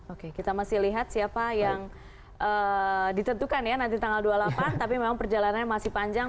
oke kita masih lihat siapa yang ditentukan ya nanti tanggal dua puluh delapan tapi memang perjalanannya masih panjang